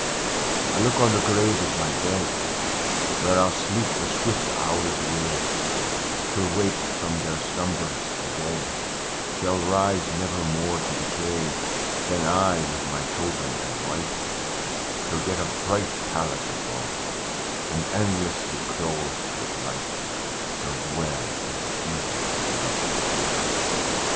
"I look on the grave as my bed, Where I'll sleep the swift hours away, Till waked from their slumbers, the dead Shall rise, never more to decay: Then I, with my children and wife, Shall get a bright palace above, And endlessly clothed with life, Shall dwell in the Eden of love.